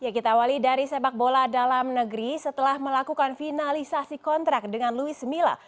kita awali dari sepak bola dalam negeri setelah melakukan finalisasi kontrak dengan luis mila